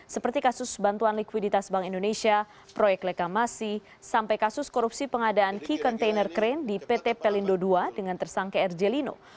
seperti kasus bantuan likuiditas bank indonesia proyek reklamasi sampai kasus korupsi pengadaan key container crane di pt pelindo ii dengan tersangka r jelino